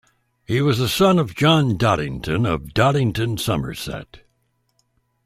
He was the son of John Dodington of Dodington, Somerset.